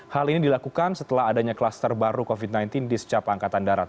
hal ini dilakukan setelah adanya kluster baru covid sembilan belas di secap angkatan darat